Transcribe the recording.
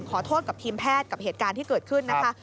ขอโทษกับทีมแพทย์กับเหตุการณ์ที่เกิดขึ้นนะคะ